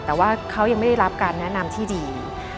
แต่ว่าเขายังไม่ได้รับการแนะนำที่ดี